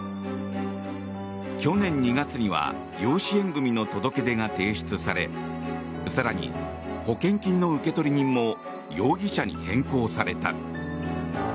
去年２月には養子縁組の届け出が提出され更に、保険金の受取人も容疑者に変更された。